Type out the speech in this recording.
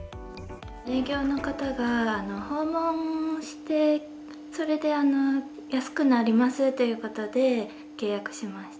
営業の方が訪問して、それで安くなりますということで契約しました。